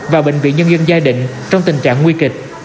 và bệnh viện nhân dân giai định trong tình trạng nguy kịch